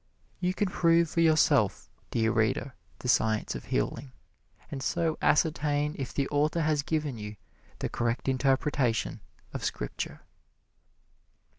You can prove for yourself, dear reader, the Science of healing, and so ascertain if the author has given you the correct interpretation of Scripture."